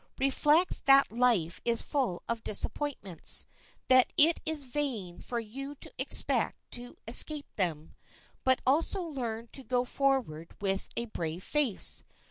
Reflect that life is full of disappointments, that it is vain for you to expect to escape them. But also learn to go forward with a brave face.